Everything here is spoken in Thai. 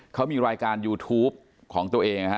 เขามีรายการยูทูปของตัวเองนะฮะ